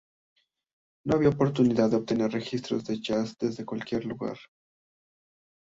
No había oportunidad de obtener registros de jazz desde cualquier lugar.